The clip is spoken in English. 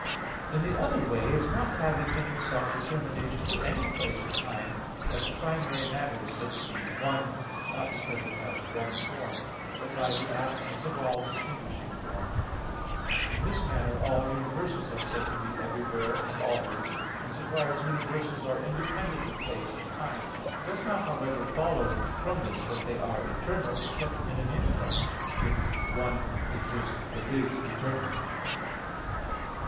In the other way as not having in itself determination to any place or time, as primary matter is said to be one, not because it has one form, but by the absence of all distinguishing form. In this manner all universals are said to be everywhere and always, in so far as universals are independent of place and time. It does not, however, follow from this that they are eternal, except in an intellect, if one exists that is eternal.